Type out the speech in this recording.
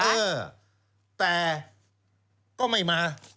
เออแต่ก็ไม่มา